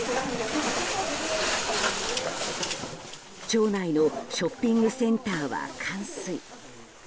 町内のショッピングセンターは冠水。